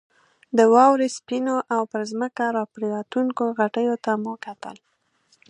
د واورې سپینو او پر ځمکه راپرېوتونکو غټیو ته مو کتل.